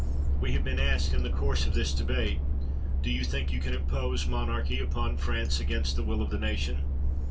We have been asked in the course of this debate : Do you think you can impose monarchy upon France against the will of the nation?